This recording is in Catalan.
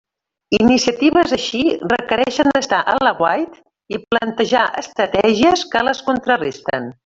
Iniciatives així requereixen estar a l'aguait i plantejar estratègies que les contraresten.